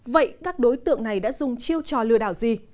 vậy các đối tượng này đã dùng chiêu trò lừa đảo gì